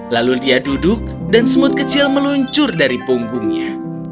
lalu dia duduk dan semut kecil meluncur dari punggungnya